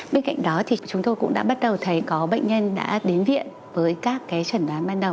bên cạnh đó thì chúng tôi cũng đã bắt đầu thấy có bệnh nhân đã đến viện với các cái trần đoán ban đầu